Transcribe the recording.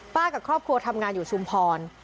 กับครอบครัวทำงานอยู่ชุมพร